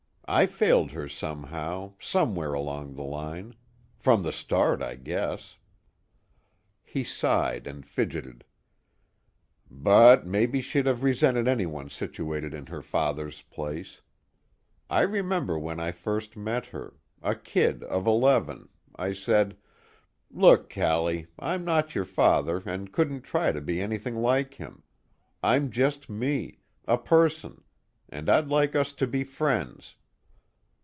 I failed her somehow, somewhere along the line. From the start, I guess." He sighed and fidgeted. "But maybe she'd have resented anyone situated in her father's place. I remember when I first met her, a kid of eleven, I said: 'Look, Callie, I'm not your father and couldn't try to be anything like him. I'm just me, a person, and I'd like us to be friends.'